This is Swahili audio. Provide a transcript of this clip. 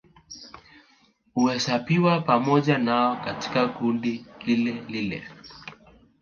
Huhesabiwa pamoja nao katika kundi lilelile